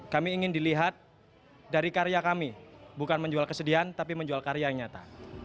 kami ingin dilihat dari karya kami bukan menjual kesedihan tapi menjual karya yang nyata